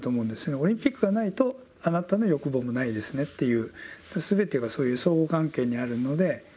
オリンピックがないとあなたの欲望もないですねっていうすべてがそういう相互関係にあるので。